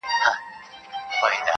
• ګیله من له خپل څښتنه له انسان سو -